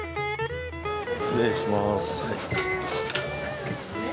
失礼します。